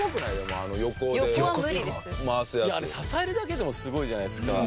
あれ支えるだけでもすごいじゃないですか。